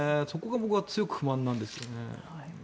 そこが僕は強く不満なんですよね。